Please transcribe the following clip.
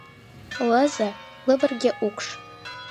Лызе — лывырге укш.